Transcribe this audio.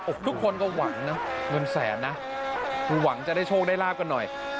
ทุกคนก็หวังนะเงินแสนนะคือหวังจะได้โชคได้ลาบกันหน่อย